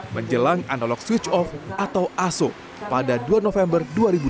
menjelang analog switch off atau aso pada dua november dua ribu dua puluh